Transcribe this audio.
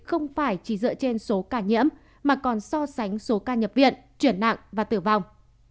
không phải chỉ dựa trên số ca nhiễm mà còn so sánh số ca nhập viện chuyển nặng và tử vong